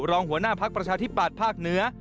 รองหัวหน้าภักดิ์ประชาธิปัตย์ภาคเหนือ